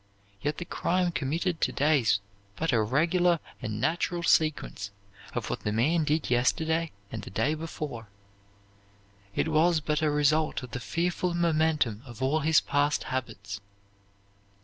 Yet the crime committed to day is but a regular and natural sequence of what the man did yesterday and the day before. It was but a result of the fearful momentum of all his past habits.